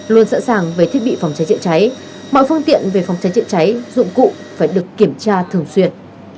luôn sẵn sàng về thiết bị phòng cháy chữa cháy mọi phương tiện về phòng cháy chữa cháy dụng cụ phải được kiểm tra thường xuyên